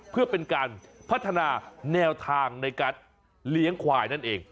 เพื่อเป็นการพัฒนาแนวทางในการเลี้ยงควายนั่นเอง